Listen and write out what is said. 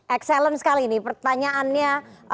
excellent sekali ini pertanyaannya